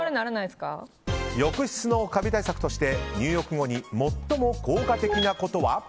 浴室のカビ対策として入浴後に最も効果的なことは？